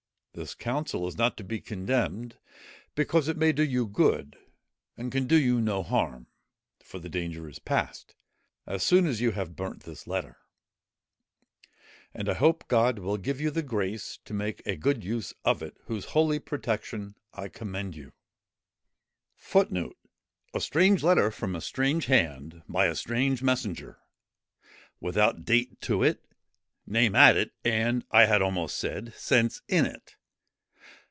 This council is not to be contemned, because it may do you good, and can do you no harm; for the danger is past, as soon as you have burnt the letter: and I hope God will give you the grace to make a good use of it, to whose holy protection I commend you." [Footnote 12: "A strange letter, from a strange hand, by a strange messenger: without date to it, name at it, and (I had almost said) sense in it.